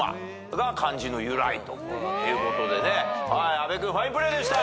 阿部君ファインプレーでした。